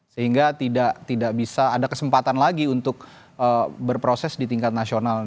sehingga tidak bisa ada kesempatan lagi untuk berproses di tingkat nasional